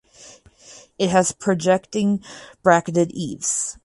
It has projecting bracketed eaves.